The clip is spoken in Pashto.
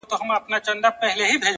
د زغم ځواک د لویوالي نښه ده!